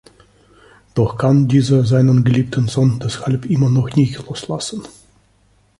Doch kann dieser seinen geliebten Sohn deshalb immer noch nicht loslassen.